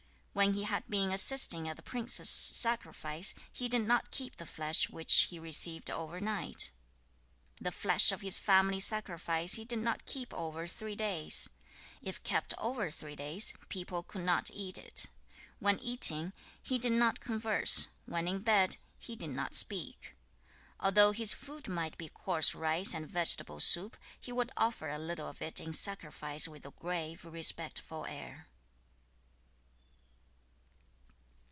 8. When he had been assisting at the prince's sacrifice, he did not keep the flesh which he received overnight. The flesh of his family sacrifice he did not keep over three days. If kept over three days, people could not eat it. 9. When eating, he did not converse. When in bed, he did not speak. 10. Although his food might be coarse rice and vegetable soup, he would offer a little of it in sacrifice with a grave, respectful air.